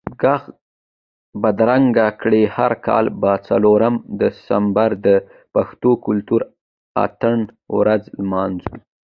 ږغ بدرګه کړئ، هر کال به څلورم دسمبر د پښتون کلتوري اتڼ ورځ لمانځو